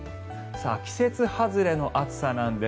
季節外れの暑さなんです。